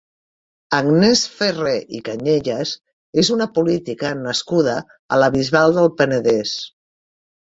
Agnès Ferré i Cañellas és una política nascuda a la Bisbal del Penedès.